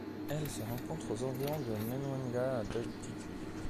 Elle se rencontre aux environs de Mwenga à d'altitude.